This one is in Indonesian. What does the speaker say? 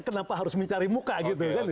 kenapa harus mencari muka gitu kan